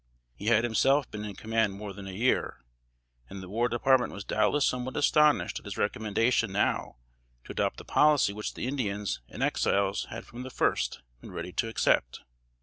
He had himself been in command more than a year, and the War Department was doubtless somewhat astonished at his recommendation now to adopt the policy which the Indians and Exiles had from the first been ready to accept.